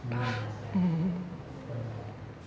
うん。